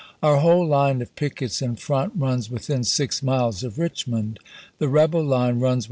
Our whole line of pickets in front runs within six miles of Richmond. The rebel line runs Vol.